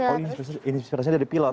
oh inspirasinya dari pilot